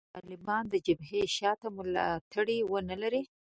که طالبان د جبهې شا ته ملاتړي ونه لري